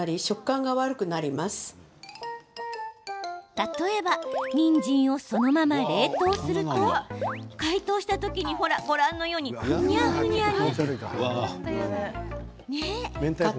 例えばにんじんをそのまま冷凍すると解凍した時にご覧のように、ふにゃふにゃに。